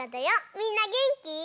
みんなげんき？